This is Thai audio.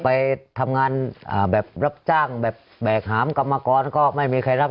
ไปทำงานแบบรับจ้างแบบแบกหามกรรมกรก็ไม่มีใครรับ